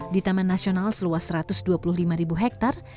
di taman nasional seluas satu ratus dua puluh lima ribu hektare